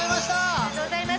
ありがとうございます！